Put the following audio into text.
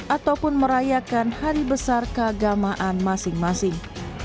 ataupun merayakan hari besar keagamaan masing masing